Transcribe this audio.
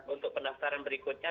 untuk pendaftaran berikutnya